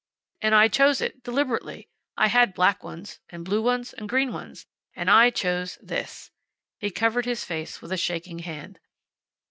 "And I chose it. Deliberately. I had black ones, and blue ones, and green ones. And I chose this." He covered his face with a shaking hand.